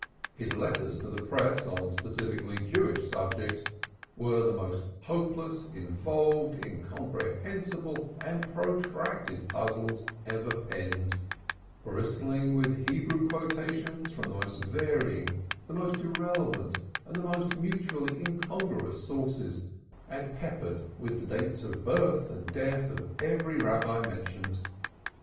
His letters to the press on specifically Jewish subjects were the most hopeless, involved, incomprehensible and protracted puzzles ever penned, bristling with Hebrew quotations from the most varying, the most irrelevant and the most mutually incongruous sources and peppered with the dates of birth and death of every Rabbi mentioned.